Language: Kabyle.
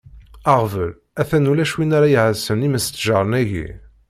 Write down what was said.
Aɣbel a-t-an ulac wid ara iɛassen imestjaren-agi.